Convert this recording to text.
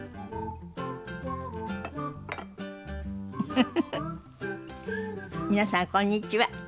フフフフ皆さんこんにちは。